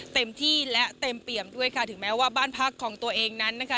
เต็มที่และเต็มเปี่ยมด้วยค่ะถึงแม้ว่าบ้านพักของตัวเองนั้นนะคะ